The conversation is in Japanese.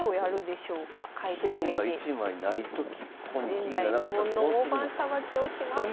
前代未聞の大盤さばきをします。